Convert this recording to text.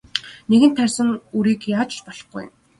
Нэгэнт тарьсан үрийг яаж ч болохгүй.